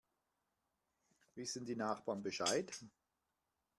Wissen die Nachbarn Bescheid?